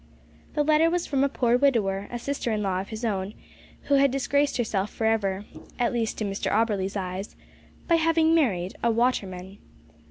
The letter was from a poor widow, a sister in law of his own, who had disgraced herself for ever at least in Mr Auberly's eyes by having married a waterman.